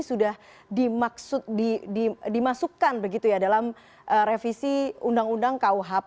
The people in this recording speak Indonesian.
sudah dimasukkan begitu ya dalam revisi undang undang kuhp